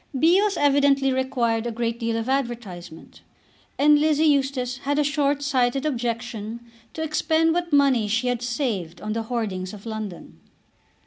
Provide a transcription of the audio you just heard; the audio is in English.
Bios evidently required a great deal of advertisement, and Lizzie Eustace had a short sighted objection to expend what money she had saved on the hoardings of London.